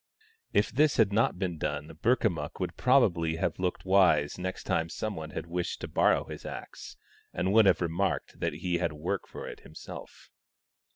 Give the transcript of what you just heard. If this had not been done Burkamukk would prob ably have looked wise next time some one had wished to borrow his axe, and would have remarked that he had work for it himself.